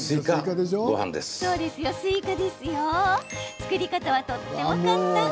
作り方はとっても簡単。